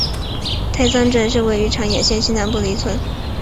大桑村是位于长野县西南部的一村。